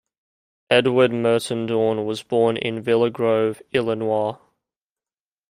Edward Merton Dorn was born in Villa Grove, Illinois.